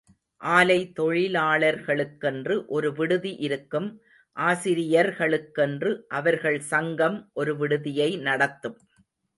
ஆலை தொழிலாளர்களுக்கென்று ஒரு விடுதி இருக்கும் ஆசிரியர்களுக்கென்று, அவர்கள் சங்கம் ஒரு விடுதியை நடத்தும்.